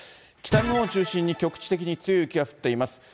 北日本を中心に局地的に強い雪が降っています。